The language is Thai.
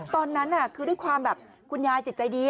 ตอนนั้นคือด้วยความแบบคุณยายจิตใจดี